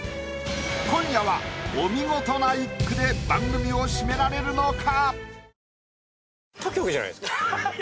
今夜はお見事な一句で番組を締められるのか？